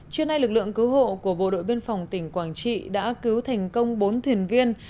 trưa nay lực lượng cứu hộ của bộ đội biên phòng tỉnh quảng trị đã cứu thành công bốn thuyền viên